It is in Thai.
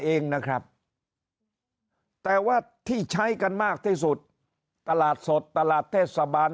เองนะครับแต่ว่าที่ใช้กันมากที่สุดตลาดสดตลาดเทศบาล